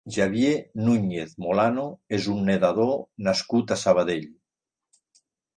Javier Núñez Molano és un nedador nascut a Sabadell.